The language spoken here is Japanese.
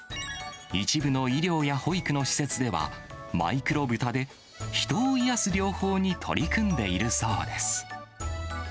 一部の医療や保育の施設では、マイクロブタで人を癒やす療法に取り組んでいるそうです。